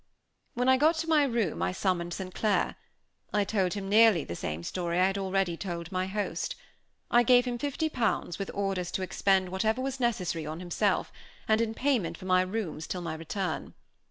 When I got to my room I summoned St. Clair. I told him nearly the same story I had already told my host. I gave him fifty pounds, with orders to expend whatever was necessary on himself, and in payment for my rooms till my return.